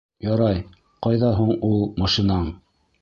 — Ярай, ҡайҙа һуң ул машинаң?